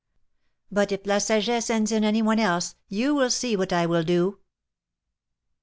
But if La Saget sends in any one else, you will see what I will do !